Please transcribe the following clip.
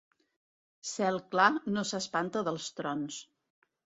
Cel clar no s'espanta dels trons.